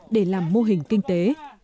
để làm mô hình kinh tế